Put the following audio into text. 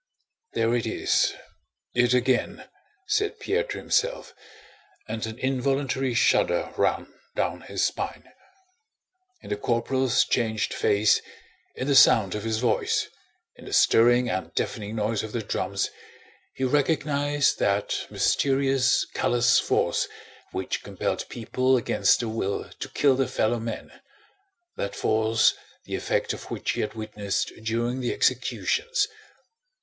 "There it is!... It again!..." said Pierre to himself, and an involuntary shudder ran down his spine. In the corporal's changed face, in the sound of his voice, in the stirring and deafening noise of the drums, he recognized that mysterious, callous force which compelled people against their will to kill their fellow men—that force the effect of which he had witnessed during the executions.